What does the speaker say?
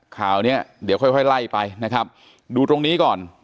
ข่าวเนี้ยเดี๋ยวค่อยค่อยไล่ไปนะครับดูตรงนี้ก่อน